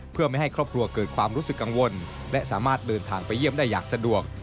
เพื่อไม่ให้ครอบครัวเกิดความรู้สึกกังวลและสามารถเดินทางไปเยี่ยมได้อย่างสะดวก